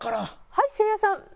はいせいやさん。